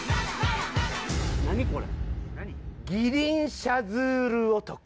何これ？